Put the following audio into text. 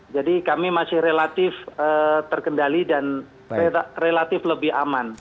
kami masih relatif terkendali dan relatif lebih aman